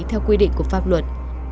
theo quy định của pháp luật